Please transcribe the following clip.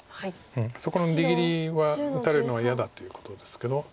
そこの出切りは打たれるのは嫌だということですけど。